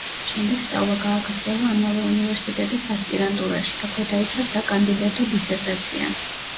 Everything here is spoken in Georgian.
შემდეგ სწავლა გააგრძელა ამავე უნივერსიტეტის ასპირანტურაში, აქვე დაიცვა საკანდიდატო დისერტაცია.